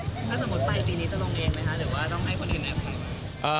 ถ้าสมมติปลายปีนี้จะลงเกงไหมคะ